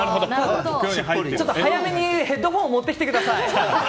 早めにヘッドフォンを持ってきてください！